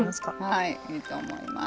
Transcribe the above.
はいいいと思います。